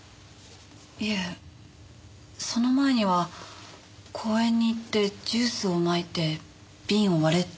いえその前には公園に行ってジュースをまいて瓶を割れって。